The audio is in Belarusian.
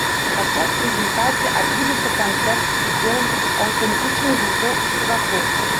Падчас прэзентацыі адбудзецца канцэрт з удзелам аўтэнтычных гуртоў і спевакоў.